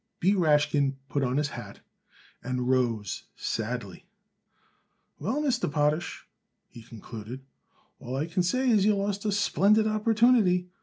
B. Rashkin put on his hat and rose sadly. "Well, Mr. Potash," he concluded, "all I can say is you lost a splendid opportunity.